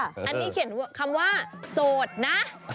อันนี้เขียนคำว่าโสดนะ